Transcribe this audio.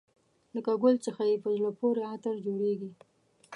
له ګل څخه یې په زړه پورې عطر جوړېږي.